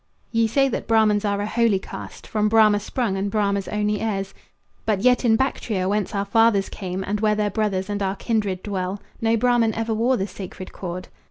Ye say that Brahmans are a holy caste, From Brahma sprung and Brahma's only heirs; But yet in Bactria, whence our fathers came, And where their brothers and our kindred dwell, No Brahman ever wore the sacred cord.